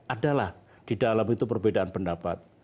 adalah di dalam itu perbedaan pendapat